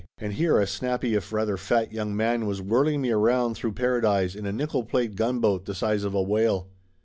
And here a snappy if rather fat young man was whirling me around through paradise in a nickel plate gunboat the size of a whale.